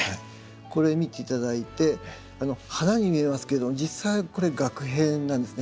これ見て頂いて花に見えますけど実際はこれ萼片なんですね。